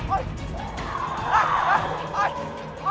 โอ๊ยเร็ว